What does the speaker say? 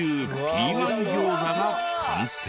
ピーマン餃子が完成。